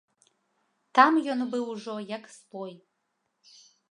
Там ён быў ужо як свой.